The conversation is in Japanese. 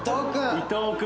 伊藤君！